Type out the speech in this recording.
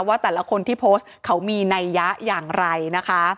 ว่าแต่ละคนที่โพสต์เขามีนัยยะอย่างไรนะคะ